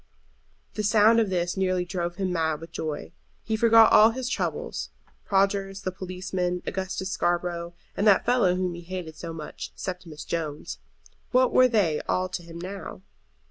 The sound of this nearly drove him mad with joy. He forgot all his troubles. Prodgers, the policeman, Augustus Scarborough, and that fellow whom he hated so much, Septimus Jones; what were they all to him now?